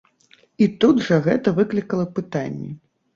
І тут жа гэта выклікала пытанні.